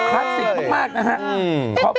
คลาสสิกมากนะครับ